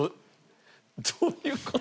どういう事？